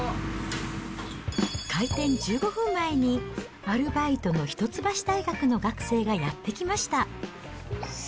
開店１５分前に、アルバイトの一橋大学の学生がやって来ました。